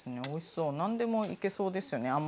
おいしそう何でもいけそうですよね